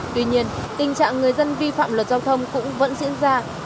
tuy nhiên tình trạng người dân vi phạm luật giao thông cũng vẫn diễn ra